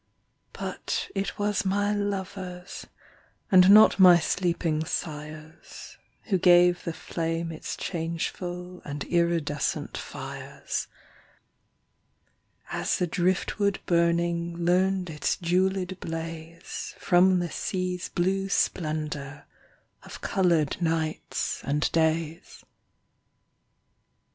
But it was my lovers, And not my sleeping sires, Who gave the flame its changeful And iridescent fires; As the driftwood burning Learned its jewelled blaze From the sea's blue splendor Of colored nights and days.